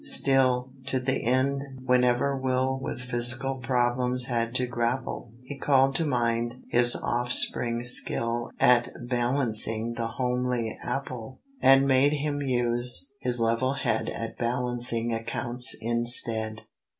Still, to the end, whenever Will With fiscal problems had to grapple, He called to mind his offspring's skill At balancing the homely apple, And made him use his level head At balancing accounts instead.